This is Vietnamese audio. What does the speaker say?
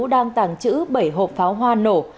đang tàng trữ bảy hộp pháo hoa nổ